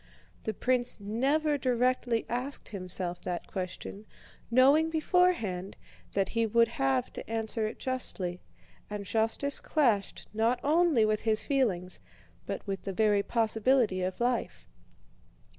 The prince never directly asked himself that question, knowing beforehand that he would have to answer it justly, and justice clashed not only with his feelings but with the very possibility of life.